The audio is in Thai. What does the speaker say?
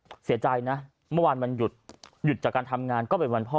ก็เสียใจนะเมื่อวานวันหยุดหยุดจากการทำงานก็เป็นวันพ่อ